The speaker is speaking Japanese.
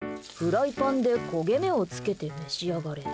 えーと、フライパンで焦げ目をつけて召し上がれ。